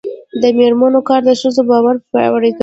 د میرمنو کار د ښځو باور پیاوړی کوي.